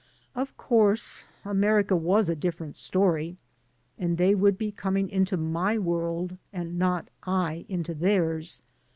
Of course, America was a different story; and they would be coming into my world and not I into theirs.